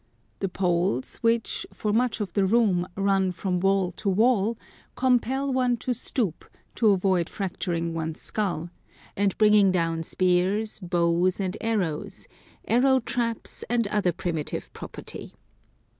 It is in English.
The poles, which, for much of the room, run from wall to wall, compel one to stoop, to avoid fracturing one's skull, and bringing down spears, bows and arrows, arrow traps, and other primitive property.